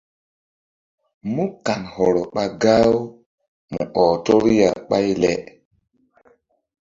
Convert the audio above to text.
Mú kan hɔrɔ ɓa gah-u mu ɔh tɔru ya ɓáy le.